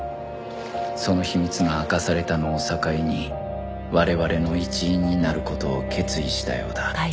その秘密が明かされたのを境に我々の一員になる事を決意したようだ